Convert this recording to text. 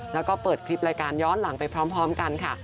แล้วก็เปิดคลิปรายการย้อนหลังไปพร้อมกันค่ะ